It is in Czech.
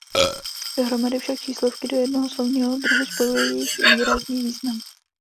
Dohromady však číslovky do jednoho slovního druhu spojuje jejich výrazný význam.